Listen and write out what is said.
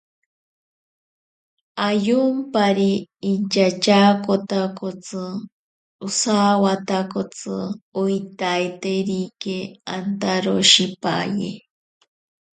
Ayomparita inchatyaakotakotsi osawatakotsi oitaiterike antaroshipaye.